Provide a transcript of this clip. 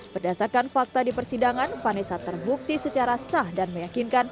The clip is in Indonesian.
berdasarkan fakta di persidangan vanessa terbukti secara sah dan meyakinkan